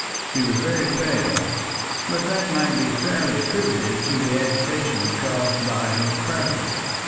She was very pale, but that might be fairly attributed to the agitation caused by his presence.